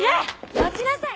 待ちなさい！